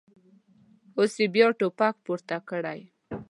اوس یې بیا ټوپک پورته کړی.